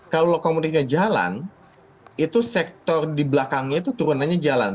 kalau lokomotifnya jalan itu sektor di belakangnya itu turunannya jalan